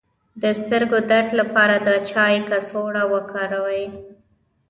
د سترګو درد لپاره د چای کڅوړه وکاروئ